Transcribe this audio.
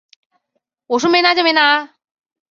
我说没拿就没拿啊